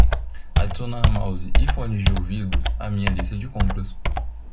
Adicionar mouse e fones de ouvido à minha lista de compras